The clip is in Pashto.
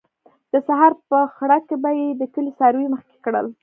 د سهار په خړه کې به یې د کلي څاروي مخکې کړل.